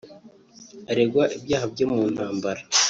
aregwa ibyaha byo mu ntambara